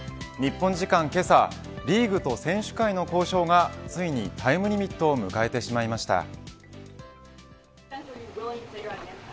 日本時間けさリーグと選手会の交渉がついにタイムリミットを迎えてしまいました。